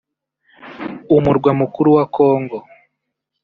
umurwa mukuru wa Congo